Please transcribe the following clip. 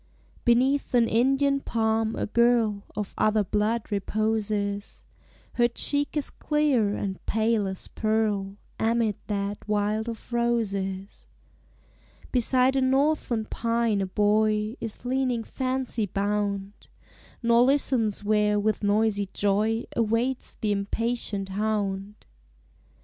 Beneath an Indian palm a girl Of other blood reposes; Her cheek is clear and pale as pearl Amid that wild of roses. Beside a northern pine a boy Is leaning fancy bound. Nor listens where with noisy joy Awaits the impatient hound.